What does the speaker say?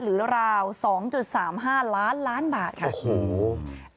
หรือราว๒๓๕ล้านบาทค่ะโอ้โห